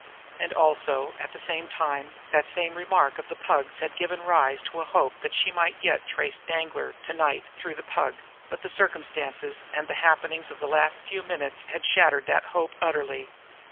And also, at the same time, that same remark of the Pug's had given rise to a hope that she might yet trace Danglar to night through the Pug but the circumstances and happenings of the last few minutes had shattered that hope utterly.